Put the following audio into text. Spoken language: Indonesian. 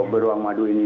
beruang madu ini